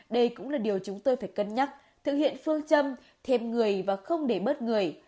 đây cũng là điều chúng tôi phải cân nhắc thực hiện phương châm thêm người và không để bớt người